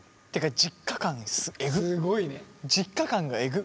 実家感がえぐっ。